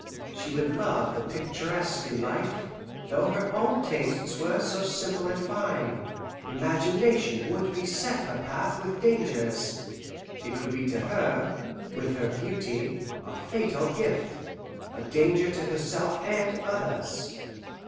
She would love the picturesque in life, though her own tastes were so simple and fine. Imagination would beset her path with dangers; it would be to her, with her beauty, a fatal gift, a danger to herself and others.